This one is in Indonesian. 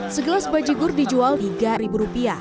segelas bajigur dijual rp tiga